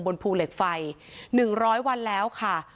บนภูเหล็กไฟหนึ่งร้อยวันแล้วค่ะ